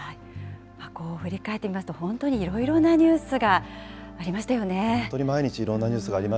こう振り返ってみますと、本当にいろいろなニュースがありま